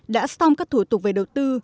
đã xong các thủ tục về đầu tư